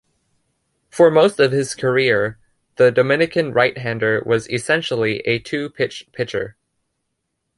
For most of his career, the Dominican right-hander was essentially a two-pitch pitcher.